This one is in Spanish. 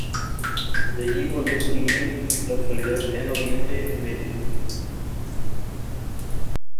Desde allí volvió a seguir la actualidad en Oriente Medio.